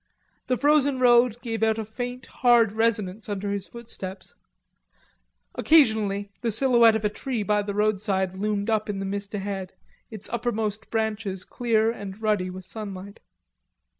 The frozen road gave out a faint hard resonance under his footsteps. Occasionally the silhouette of a tree by the roadside loomed up in the mist ahead, its uppermost branches clear and ruddy with sunlight.